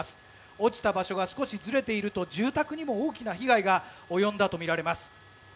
落ちた場所が少しずれていると住宅にも大きな被害が及んだとみられます。